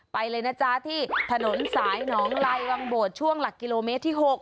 ไปเลยนะจ๊ะที่ถนนสายหนองไลวังโบดช่วงหลักกิโลเมตรที่๖